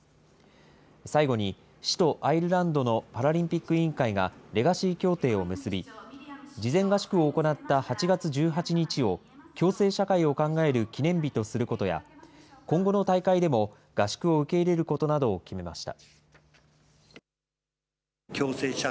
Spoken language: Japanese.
最後に市とアイルランドのパラリンピック委員会がレガシー協定を結び、事前合宿を行った８月１８日を共生社会を考える記念日とすることや、今後の大会でも合宿を受け入れることなどを決めました。